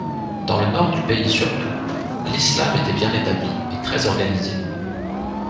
Dans le Nord du pays surtout, l'islam était bien établi et très organisé.